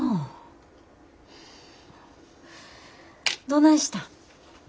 どないしたん？